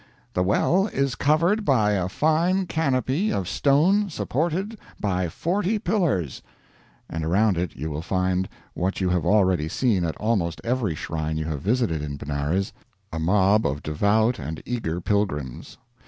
"The well is covered by a fine canopy of stone supported by forty pillars," and around it you will find what you have already seen at almost every shrine you have visited in Benares, a mob of devout and eager pilgrims.